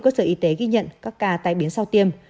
cơ sở y tế ghi nhận các ca tai biến sau tiêm